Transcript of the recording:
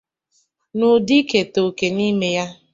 n'ụdị ikètà òkè n'ime ya